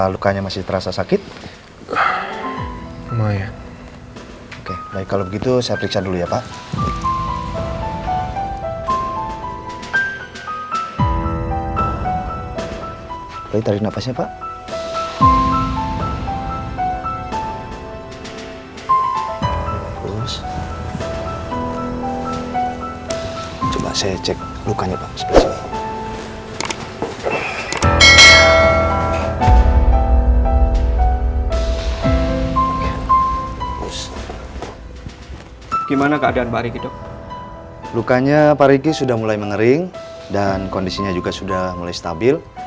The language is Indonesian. lukanya pak riki sudah mulai mengering dan kondisinya juga sudah mulai stabil